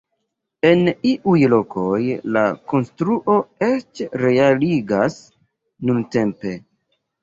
En iuj lokoj, la konstruo eĉ realigas nuntempe.